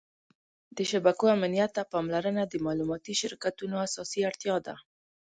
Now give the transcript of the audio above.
د شبکو امنیت ته پاملرنه د معلوماتي شرکتونو اساسي اړتیا ده.